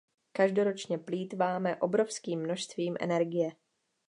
Každoročně plýtváme obrovským množstvím energie.